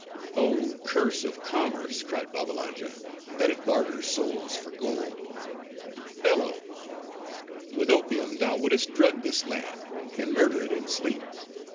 "Oh curse of commerce!" cried Babbalanja, "that it barters souls for gold. Bello! with opium, thou wouldst drug this land, and murder it in sleep!